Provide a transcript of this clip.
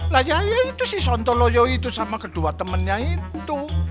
lah ya ya itu si sontoloyo itu sama kedua temennya itu